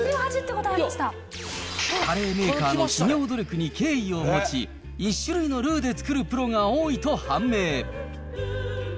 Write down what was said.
カレーメーカーの企業努力に敬意を持ち、１種類のルーで作るプロが多いと判明。